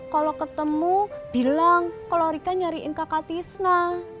kalau ketemu bilang kalau rika nyariin kakak tisna